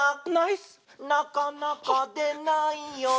「なかなかでないよね」